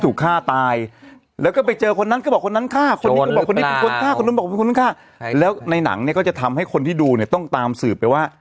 ถูกฆ่าตายแล้วก็ไปเจอคนนั้นก็บอกว่านั้นข้าวแล้วในหนังก็จะทำให้คนที่ดูเนี่ยต้องตามสืบไปว่า